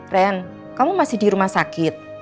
ren kamu masih di rumah sakit